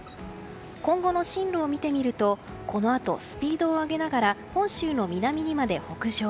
今後の進路を見てみるとこのあとスピードを上げながら本州の南にまで北上。